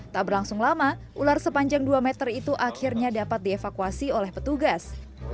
tak berlangsung lama ular sepanjang dua meter itu akhirnya dapat dievakuasi oleh petugas